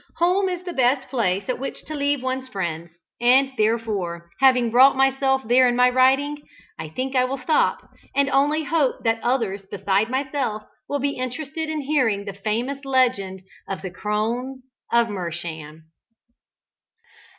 Home is the best place at which to leave one's friends, and therefore, having brought myself there in my writing, I think I will stop, and only hope that others beside myself will be interested in hearing the famous legend of the "Crones of Mersham."